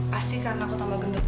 pasti karena aku tambah gendut